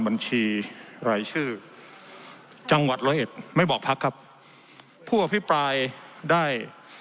บัญชีรายชื่อจังหวัดร้อยเอ็ดไม่บอกพักครับผู้อภิปรายได้